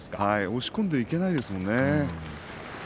押し込んでいけないですもんね。